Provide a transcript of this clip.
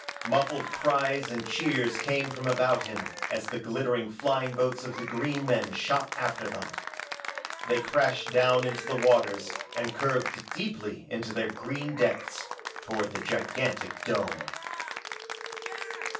Muffled cries and cheers came from about him as the glittering flying boats of the green men shot after them. They crashed down into the waters and curved deeply into their green depths, toward the gigantic dome.